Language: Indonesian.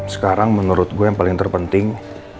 sekarang menurut gue yang paling terpenting